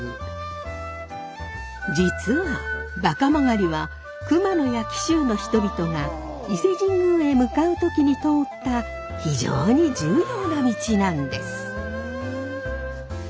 実は馬鹿曲は熊野や紀州の人々が伊勢神宮へ向かう時に通った非常に重要な道なんです。